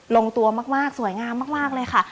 ลงตัวมากสวยงามมากเลยค่ะ